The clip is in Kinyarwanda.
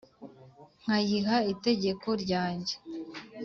nkayiha itegeko ryanjye,